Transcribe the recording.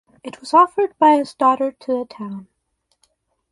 It was offered by his daughter to the town.